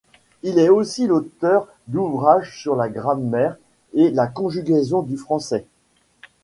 Il est aussi l'auteur d'ouvrages sur la grammaire et la conjugaison du français.